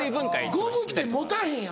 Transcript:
ゴムって持たへんよな。